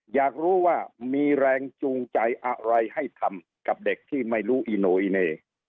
อยากรู้ว่ามีแรงจูงใจอะไรให้ทำกับเด็กที่ไม่รู้อีโนอีเน่